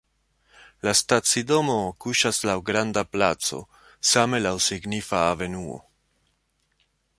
La stacidomo kuŝas laŭ granda placo, same laŭ signifa avenuo.